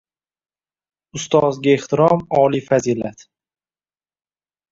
Ustozga ehtirom oliy fazilat